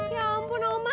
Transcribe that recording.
ya ampun oma